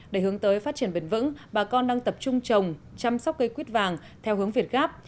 để hướng tới phát triển bền vững bà con đang tập trung trồng chăm sóc cây quýt vàng theo hướng việt gáp